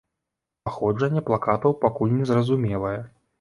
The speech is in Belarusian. Паходжанне плакатаў пакуль незразумелае.